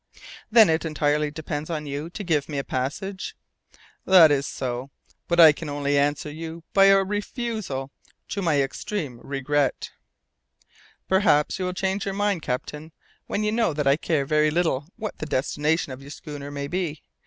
"Then it entirely depends on you to give me a passage?" "That is so, but I can only answer you by a refusal to my extreme regret." "Perhaps you will change your mind, captain, when you know that I care very little what the destination of your schooner may be.